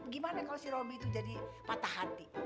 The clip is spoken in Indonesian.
gimana kalau si roby itu jadi patah hati